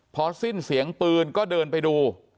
พอสิ้นเสียงปืนก็เดินไปดู